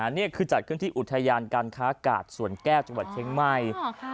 นี่คือจัดขึ้นที่อุทยานการค้ากาดสวนแก้วจังหวัดเชียงใหม่